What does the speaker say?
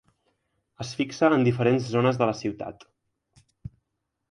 Es fixa en diferents zones de la ciutat.